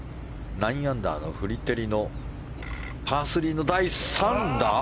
９アンダーのフリテリのパー３の第３打。